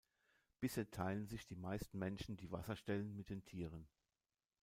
Bisher teilen sich die meisten Menschen die Wasserstellen mit den Tieren.